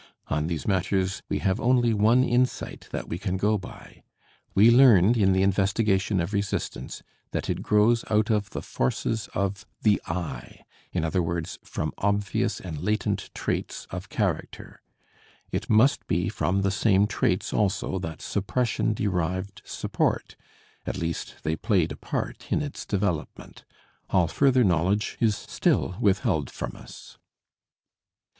On these matters we have only one insight that we can go by. We learned in the investigation of resistance that it grows out of the forces of the "I," in other words from obvious and latent traits of character. It must be from the same traits also that suppression derived support; at least they played a part in its development. All further knowledge is still withheld from us.